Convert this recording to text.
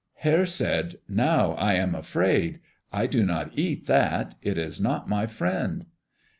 Hare said, "Now I am afraid. I do not eat that. It is not my friend."